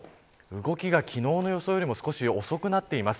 動きが昨日の予想よりも少し遅くなっています。